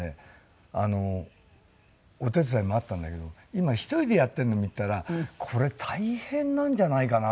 お手伝いもあったんだけど今１人でやってるのを見てたらこれ大変なんじゃないかなと思って。